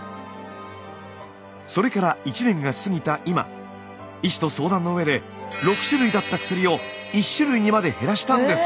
それから１年が過ぎた今医師と相談のうえで６種類だった薬を１種類にまで減らしたんです。